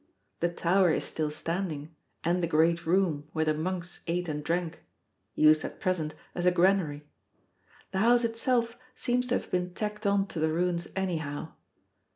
The tower is still standing, and the great room where the monks ate and drank used at present as a granary. The house itself seems to have been tacked on to the ruins anyhow.